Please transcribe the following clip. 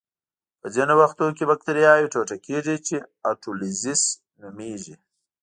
په ځینو وختونو کې بکټریاوې ټوټه کیږي چې اټولیزس نومېږي.